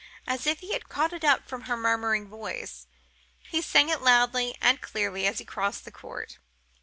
As if he had caught it up from her murmuring voice, he sang it loudly and clearly as he crossed the court.